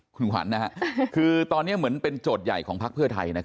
คุณขวัญคือตอนนี้เหมือนเป็นโจทย์ใหญ่ของพักเพื่อไทย